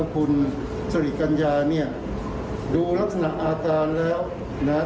คุณสิริกัญญาบอกว่า๖๔เสียง